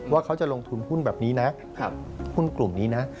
ว่าเขาจะลงทุนหุ้นแบบนี้นะหุ้นกลุ่มนี้นะ